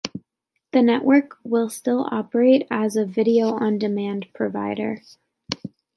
The network will still operate as a Video On Demand provider.